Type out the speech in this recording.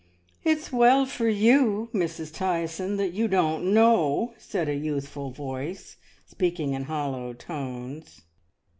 "It's well for you, Mrs. Tyson, that you don't know," said a youthful voice, speaking in hollow tones.